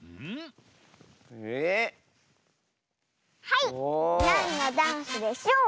はいなんのダンスでしょう？